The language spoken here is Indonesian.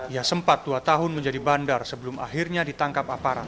ia sempat dua tahun menjadi bandar sebelum akhirnya ditangkap aparat